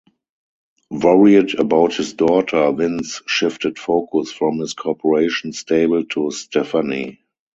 Worried about his daughter, Vince shifted focus from his Corporation stable to Stephanie.